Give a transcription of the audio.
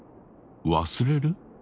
忘れる？